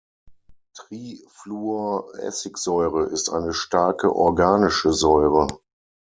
Trifluoressigsäure ist eine starke organische Säure.